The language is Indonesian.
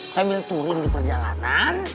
sambil touring di perjalanan